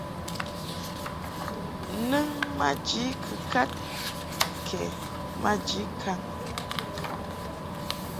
Nɨŋ maji kɨkad kɛ maji kaŋ.